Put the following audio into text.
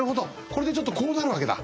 これでちょっとこうなるわけだ。